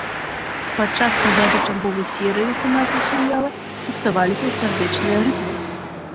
Падчас прагляду чарговай серыі ў фанатаў серыяла фіксаваліся сардэчныя рытмы.